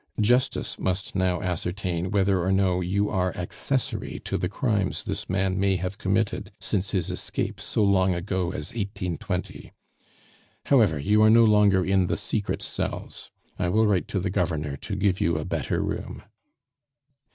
Justice must now ascertain whether or no you are accessory to the crimes this man may have committed since his escape so long ago as 1820. However, you are no longer in the secret cells. I will write to the Governor to give you a better room."